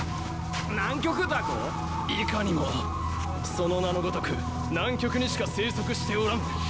その名のごとく南極にしか生息しておらん。